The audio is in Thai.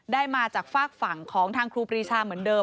มาจากฝากฝั่งของทางครูปรีชาเหมือนเดิม